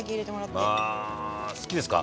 まあ好きですか？